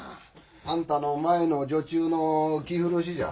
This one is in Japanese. あんたの前の女中の着古しじゃ。